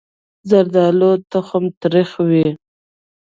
زردالو تخم تریخ وي.